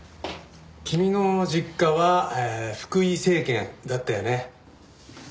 君の実家は福井精研だったよね。